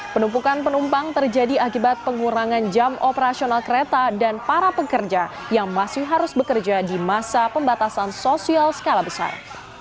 penumpukan penumpang terjadi akibat pengurangan jam operasional kereta dan para pekerja yang masih harus bekerja di masa pembatasan sosial skala besar